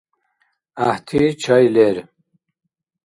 ГӀяхӀти чай лер.